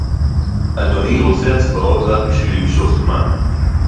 אדוני רוצה הצבעות רק בשביל למשוך זמן